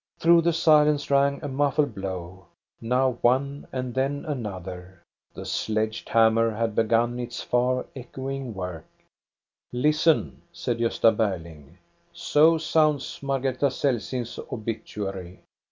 Through the silence rang a muffled blow, now one and then another. The sledge hammer had begun its far echoing work. " Listen," said Gosta Berling, " so sounds Margareta Celsing's obituary!